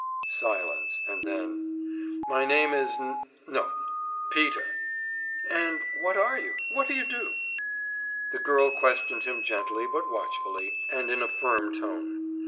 « Silence ... and then: »My name is ... N no! Peter.« »And what are you? What do you do?« The girl questioned him gently, but watchfully, and in a firm tone.